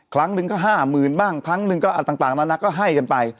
ครั้งหนึ่งก็๕๐๐๐บ้างครั้งหนึ่งก็ต่างนานาก็ให้กันไป